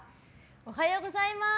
おはようございます！